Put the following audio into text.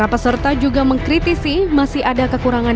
peserta juga mengkritisi masih ada kekurangan